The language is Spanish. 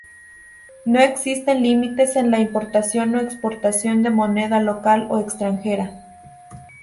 No existen límites en la importación o exportación de moneda local o extranjera.